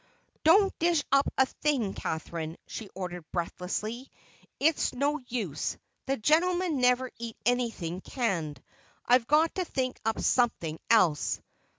"Don't dish up a thing, Catherine," she ordered breathlessly. "It is no use; the gentlemen never eat anything canned. I've got to think up something else."